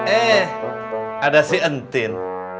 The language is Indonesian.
eh ada si entin